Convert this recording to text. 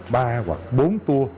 ba hoặc bốn tour